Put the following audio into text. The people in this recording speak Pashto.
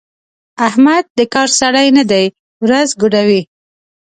احمد د کار سړی نه دی؛ ورځ ګوډوي.